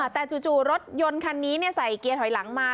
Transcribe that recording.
แต่จู่รถยนต์คันนี้ใส่เกียร์ถอยหลังมา